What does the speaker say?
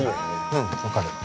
うん分かる。